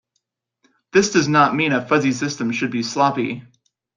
This does not mean a fuzzy system should be sloppy.